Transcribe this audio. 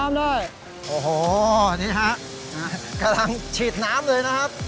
กำลังฉีดน้ำเลยนะครับ